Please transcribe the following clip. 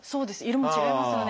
色も違いますよね。